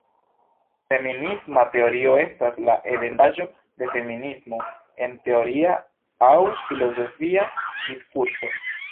Feminisma teorio estas la etendaĵo de feminismo en teoria aŭ filozofia diskurso.